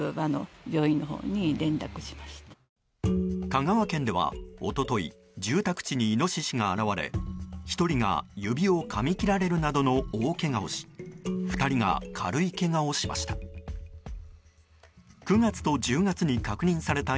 香川県では一昨日住宅地にイノシシが現れ１人が指をかみ切られるなどの大けがをし２人が軽いけがをしました。